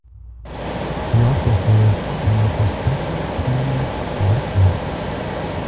He also served in the Perspective Planning Directorate.